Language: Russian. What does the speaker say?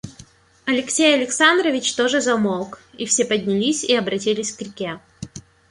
Алексей Александрович тоже замолк, и все поднялись и обратились к реке.